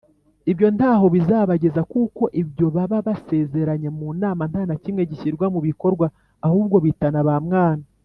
ibyo nta ho bizabageza kuko ibyo baba basezeranye mu nama ntanakimwe gishyirwa mu bikorwa ahubwo bitana ba mwana.